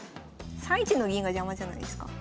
３一の銀が邪魔じゃないですか？